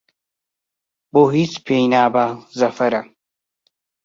بۆ هیچ پێی نابا زەفەرە